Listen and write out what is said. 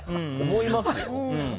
思いますよね。